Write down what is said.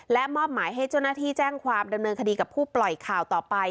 และมอบหมายให้เจ้าหน้าที่แจ้งความดำเนินคดีกับผู้ปล่อยข่าวต่อไป